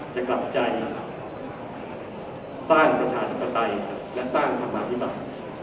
กำลังใจสร้างประชาธิปไตยและสร้างธรรมาภิบัติ